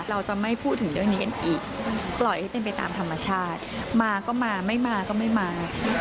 เราจะไม่พูดถึงเรื่องนี้กันอีกปล่อยให้เป็นไปตามธรรมชาติมาก็มาไม่มาก็ไม่มา